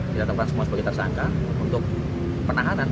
kita tetapkan semua sebagai tersangka untuk penahanan